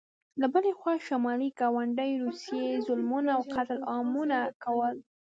له بلې خوا شمالي ګاونډي روسیې ظلمونه او قتل عامونه کول.